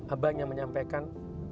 aba hanya menyampaikan